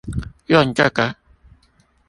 用這個